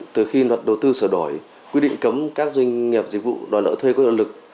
từ khi luật đầu tư sửa đổi quy định cấm các doanh nghiệp dịch vụ đòi nợ thuê có lợi lực